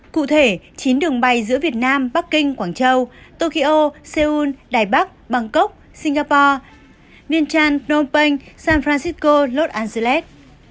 cụ thể chín đường bay giữa việt nam bắc kinh quảng châu tokyo seoul đài bắc bangkok singapore mienchan phnom penh san francisco los angeles